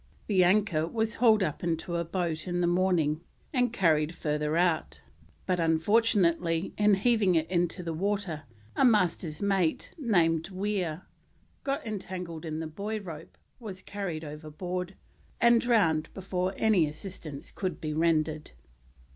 The anchor was hauled up into a boat in the morning, and carried further out, but, unfortunately, in heaving it into the water, a Master's mate, named Weir, got entangled in the buoy rope, was carried overboard, and drowned before any assistance could be rendered.